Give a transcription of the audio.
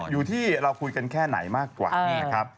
อยู่ที่เราคุยกันแค่ไหนมากกว่า